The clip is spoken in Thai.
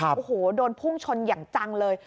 โอ้โหโดนพุ่งชนอย่างจังเลย